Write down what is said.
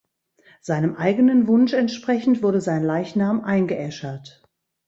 Seinem eigenen Wunsch entsprechend wurde sein Leichnam eingeäschert.